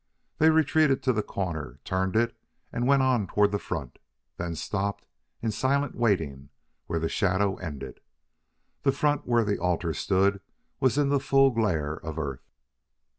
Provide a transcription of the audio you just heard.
They retreated to the corner, turned it, and went on toward the front; then stopped in silent waiting where the shadow ended. The front, where the altar stood, was in the full glare of Earth.